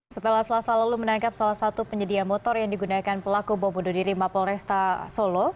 setelah selasa lalu menangkap salah satu penyedia motor yang digunakan pelaku bom bunuh diri mapol resta solo